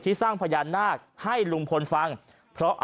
ท่านพรุ่งนี้ไม่แน่ครับ